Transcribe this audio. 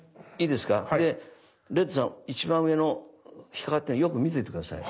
でレッドさん一番上の引っ掛かっているのよく見てて下さい。